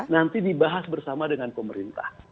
nanti dibahas bersama dengan pemerintah